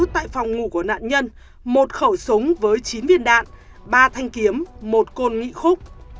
tại phòng ngủ của nạn nhân một khẩu súng với chín viên đạn ba thanh kiếm một côn nghị khúc